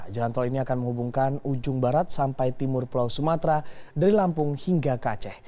jalan tol ini akan menghubungkan ujung barat sampai timur pulau sumatera dari lampung hingga kc